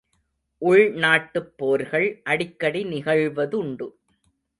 உள்நாட்டுப்போர்கள் அடிக்கடி நிகழ்வதுண்டு.